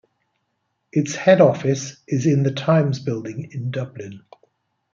Its head office is in The Times Building in Dublin.